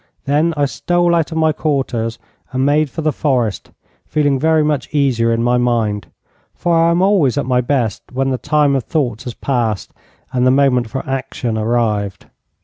Then I stole out of my quarters and made for the forest, feeling very much easier in my mind, for I am always at my best when the time of thought has passed and the moment for action arrived.